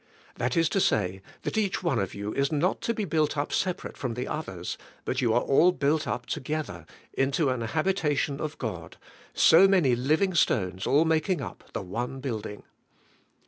That is to say, that each one of you is not to be built up separate from the others, but you are all built up tog^ether, into an habitation of God, so many living stones all making up the one building.